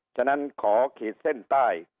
ฉะนั้นขอขีดเส้นใต้